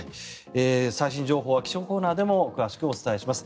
最新情報は気象コーナーでも詳しくお伝えします。